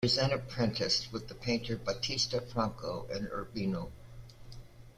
He was then apprenticed with the painter Battista Franco in Urbino.